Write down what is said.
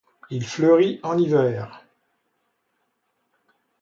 Il fleurit en hiver.